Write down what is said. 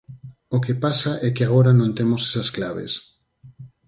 O que pasa é que agora non temos esas claves.